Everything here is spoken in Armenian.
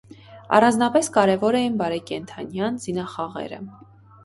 Առանձնապես կարևոր էին բարեկենդանյան զինախաղերը։